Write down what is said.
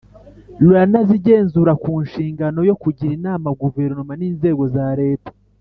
Ruranazigenzura ku nshingano yo kugira inama guverinoma n inzego za leta